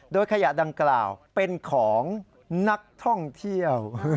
โดยขยะดังกล่าวเป็นของนักท่องเที่ยว